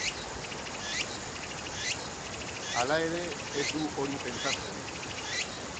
Hala ere, ez du hori pentsatzen.